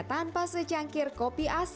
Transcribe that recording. tanpa secangkir kopi asli hampir tidak